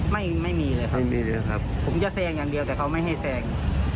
ไม่มีเลยครับไม่มีเลยครับผมจะแซงอย่างเดียวแต่เขาไม่ให้แซง